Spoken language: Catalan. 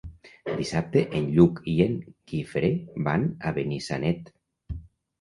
Dissabte en Lluc i en Guifré van a Benissanet.